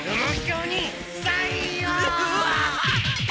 うわ！